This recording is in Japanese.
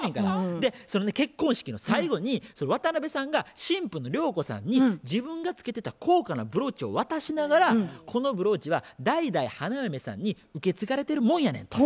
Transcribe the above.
でその結婚式の最後に渡辺さんが新婦の涼子さんに自分が着けてた高価なブローチを渡しながら「このブローチは代々花嫁さんに受け継がれてるもんやねん」と。